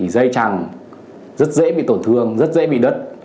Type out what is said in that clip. dây chẳng rất dễ bị tổn thương rất dễ bị đứt